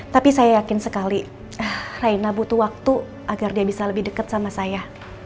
tapi saya yakin sekali raina butuh waktu agar dia bisa lebih dekat sama saya